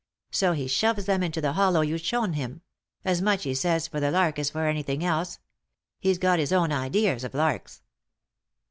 So he shores them into the hollow you'd shown him — as much, he says, for the lark as for anything else. He's got his own idea of larks."